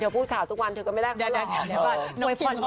เธอพูดข่าวทุกวันเธอก็ไม่ได้หรอก